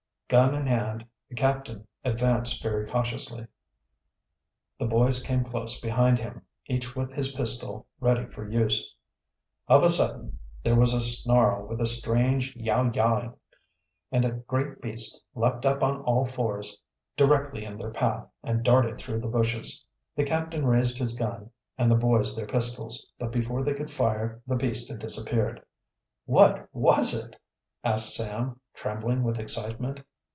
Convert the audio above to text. Gun in hand, the captain advanced very cautiously. The boys came close behind him, each with his pistol ready for use. Of a sudden there was a snarl with a strange "yow yawing," and a great beast leaped up on all fours directly in their path and darted through the bushes. The captain raised his gun and the boys their pistols, but before they could fire the beast had disappeared. "What was it?" asked Sam, trembling with excitement.